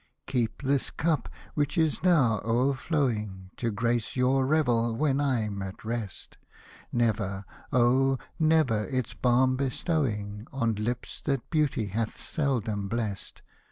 Keep this cup, which is now o'erflowing, To grace your revel, when I'm at rest ; Never, oh ! never its balm bestowing On lips that beauty hath seldom blest.